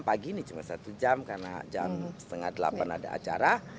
pagi ini cuma satu jam karena jam setengah delapan ada acara